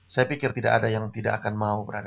saya pikir tidak ada yang tidak akan mau berani